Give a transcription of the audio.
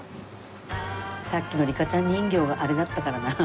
さっきのリカちゃん人形があれだったからな。